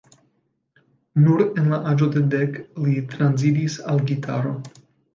Nur en la aĝo de dek li transiris al gitaro.